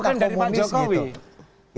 kan nobar bukan dari pak jokowi